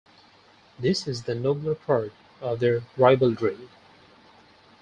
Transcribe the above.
This is the nobler part of their ribaldry.